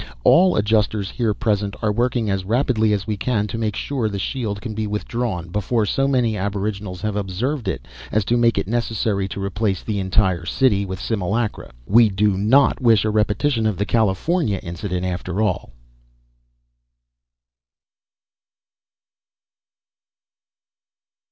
All Adjusters here present are working as rapidly as we can to make sure the shield can be withdrawn, before so many aboriginals have observed it as to make it necessary to replace the entire city with simulacra. We do not wish a repetition of the California incident, after all.